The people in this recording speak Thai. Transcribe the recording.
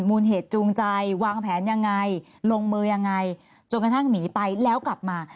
มูลเหตุจูงใจวางแผนยังไงลงมือยังไงจนกระทั่งหนีไปแล้วกลับมา